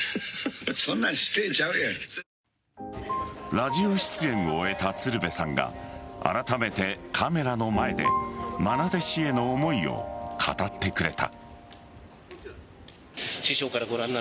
ラジオ出演を終えた鶴瓶さんがあらためてカメラの前でまな弟子への思いを語ってくれた。